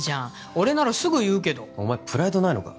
俺ならすぐ言うけどお前プライドないのか？